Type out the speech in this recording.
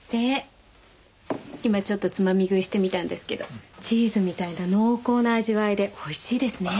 今ちょっとつまみ食いしてみたんですけどチーズみたいな濃厚な味わいでおいしいですね。